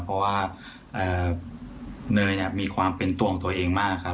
เพราะว่าเนยเนี่ยมีความเป็นตัวของตัวเองมากครับ